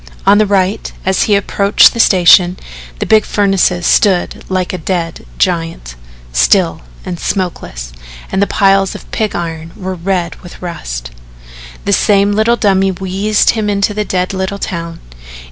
On the right, as he approached the station, the big furnace stood like a dead giant, still and smokeless, and the piles of pig iron were red with rust. The same little dummy wheezed him into the dead little town.